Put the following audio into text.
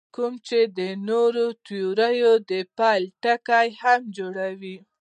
کوم چې د نورو تیوریو د پیل ټکی هم جوړوي.